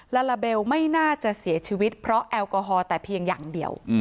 ลาลาเบลไม่น่าจะเสียชีวิตเพราะแอลกอฮอลแต่เพียงอย่างเดียว